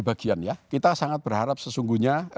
bagian ya kita sangat berharap sesungguhnya